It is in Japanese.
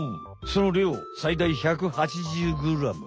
その量最大１８０グラム。